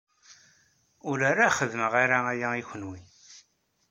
Ur la xeddmeɣ ara aya i kenwi.